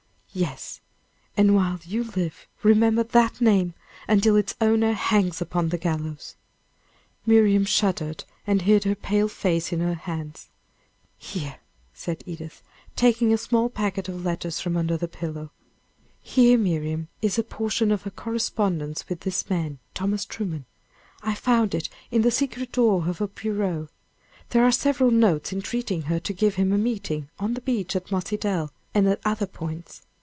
"Yes; and while you live, remember that name, until its owner hangs upon the gallows!" Miriam shuddered, and hid her pale face in her hands. "Here," said Edith, taking a small packet of letters from under her pillow. "Here, Miriam, is a portion of her correspondence with this man, Thomas Truman I found it in the secret drawer of her bureau. There are several notes entreating her to give him a meeting, on the beach, at Mossy Dell, and at other points.